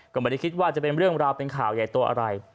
ก็ไม่ได้คิดว่าจะเป็นเรื่องราวเป็นข่าวใหญ่ตัวอะไร